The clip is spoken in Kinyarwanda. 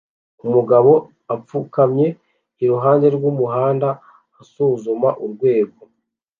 umugabo apfukamye iruhande rwumuhanda usuzuma urwego